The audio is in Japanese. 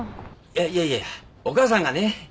えっいやいやお母さんがね